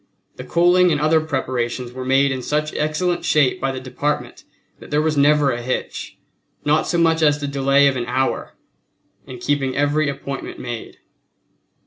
The coaling and other preparations were made in such excellent shape by the Department that there was never a hitch, not so much as the delay of an hour, in keeping every appointment made.